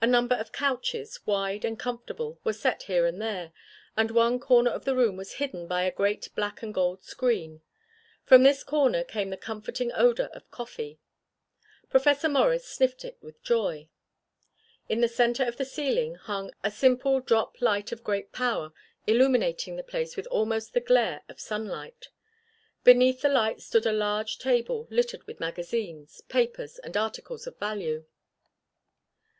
A number of couches, wide and comfortable, were set here and there, and one corner of the room was hidden by a great black and gold screen. From this corner came the comforting odor of coffee. Professor Morris sniffed it with joy. In the center of the ceiling hung a simple drop light of great power illuminating the place with almost the glare of sunlight. Beneath the light stood a large table littered with magazines, papers and articles of value.